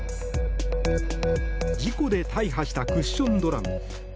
事故で大破したクッションドラム。